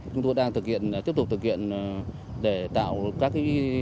chúng tôi đang tiếp tục thực hiện để tạo các kinh thuận lợi